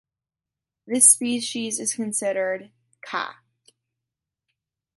This species is considered ""Ca.